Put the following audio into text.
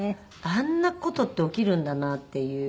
あんな事って起きるんだなっていう。